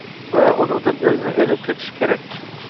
ۋە ئۇنىڭدىن ئۆزىنى ئىلىپ قېچىشى كېرەك.